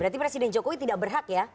berarti presiden jokowi tidak berhak ya